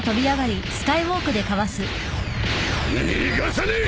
逃がさねえ！